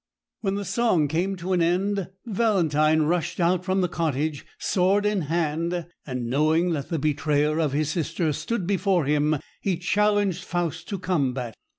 When the song came to an end, Valentine rushed out from the cottage, sword in hand, and knowing that the betrayer of his sister stood before him, he challenged Faust to combat.